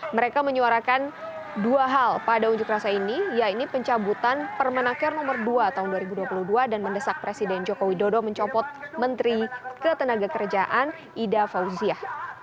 mereka menyuarakan dua hal pada unjuk rasa ini yaitu pencabutan permenaker nomor dua tahun dua ribu dua puluh dua dan mendesak presiden joko widodo mencopot menteri ketenaga kerjaan ida fauziah